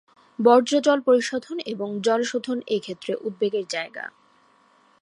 বর্জ্য জল পরিশোধন এবং জল শোধন এই ক্ষেত্রে উদ্বেগের যায়গা।